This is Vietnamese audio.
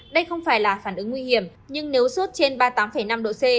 đây không phải là phản ứng nguy hiểm nhưng nếu sốt trên ba mươi tám năm độ c